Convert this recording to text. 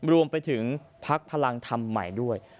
รวมไปถึงพักพลังธรรมใหม่ด้วย